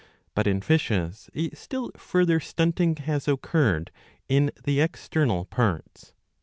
But in fishes^ a still further stunting has occurred in the external parts.